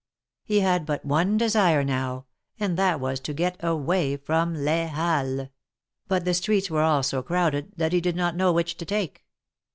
He had but one desire now, and that was to get away from "Les Halles;" but the streets were all so crowded that he did not know which to take.